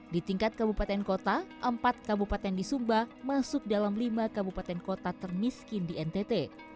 di tingkat kabupaten kota empat kabupaten di sumba masuk dalam lima kabupaten kota termiskin di ntt